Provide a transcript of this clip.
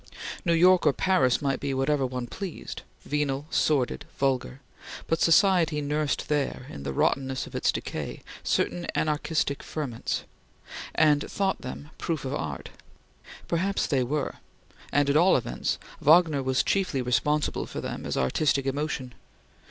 New York or Paris might be whatever one pleased venal, sordid, vulgar but society nursed there, in the rottenness of its decay, certain anarchistic ferments, and thought them proof of art. Perhaps they were; and at all events, Wagner was chiefly responsible for them as artistic emotion.